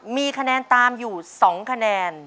มีคะแนนตามอยู่๒คะแนน